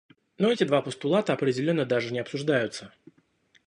Но эти два постулата определенно даже не обсуждаются.